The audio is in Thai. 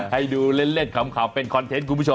ให้ดูเล่นขำขำเป็นคอนเทนต์